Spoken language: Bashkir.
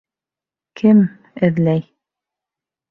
Кем... эҙләй?